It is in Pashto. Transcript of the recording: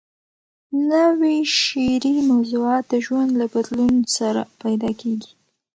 نوي شعري موضوعات د ژوند له بدلون سره پیدا کېږي.